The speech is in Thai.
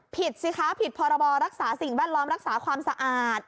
สิคะผิดพรบรักษาสิ่งแวดล้อมรักษาความสะอาด